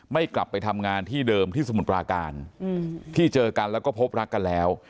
กลับไปทำงานที่เดิมที่สมุทรปราการที่เจอกันแล้วก็พบรักกันแล้ว